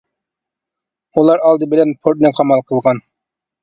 ئۇلار ئالدى بىلەن پورتنى قامال قىلغان.